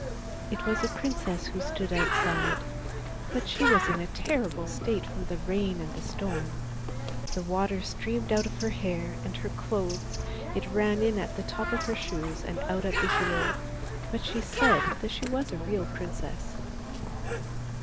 It was a princess who stood outside, but she was in a terrible state from the rain and the storm. The water streamed out of her hair and her clothes, it ran in at the top of her shoes and out at the heel, but she said that she was a real princess.